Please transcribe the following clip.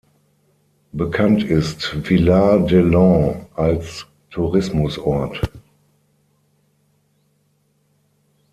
Bekannt ist Villard-de-Lans als Tourismusort.